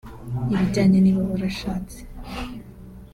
ibijyanye niba warashatse